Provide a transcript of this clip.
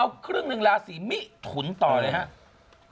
เอาครึ่งหนึ่งราศีมิถุนต่อเลยครับ